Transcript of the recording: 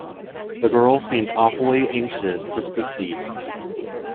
The girl seemed awfully anxious to speak to you.